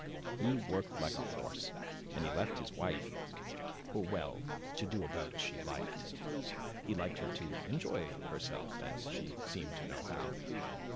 He worked like a horse, and he left his wife well, to do about as she liked. He liked her to enjoy herself, and she seemed to know how.